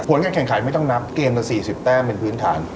ผลการแข่งขายไม่ต้องนับเกมเท่า๔๐แบบเป็นพื้นฐาน